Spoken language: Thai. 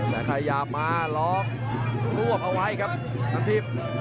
และใครยามาหลอกรวบเอาไว้ครับนัทธิบ